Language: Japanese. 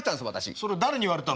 それは誰に言われてたの？